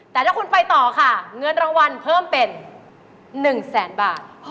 แต่ถ้าคุณไปต่อค่ะเงินรางวัลเพิ่มเป็น๑แสนบาท